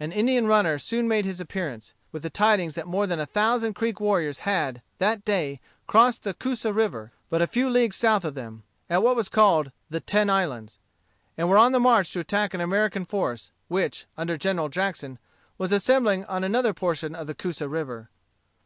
An Indian runner soon made his appearance, with the tidings that more than a thousand Creek warriors had, that day, crossed the Coosa River, but a few leagues south of them, at what was called the Ten Islands, and were on the march to attack an American force, which, under General Jackson, was assembling on another portion of the Coosa River.